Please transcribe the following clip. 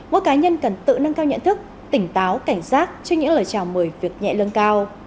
mỗi cá nhân cần tự nâng cao nhận thức tỉnh táo cảnh giác cho những lời chào mời việc nhẹ lương cao